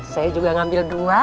saya juga ngambil dua